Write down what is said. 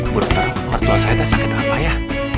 bu dokter mertua saya tak sakit apa ya